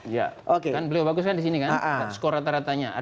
ya kan beliau bagus kan di sini kan skor rata ratanya